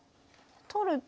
取ると。